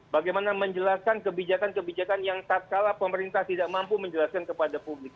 bagaimana menjelaskan kebijakan kebijakan yang tak kalah pemerintah tidak mampu menjelaskan kepada publik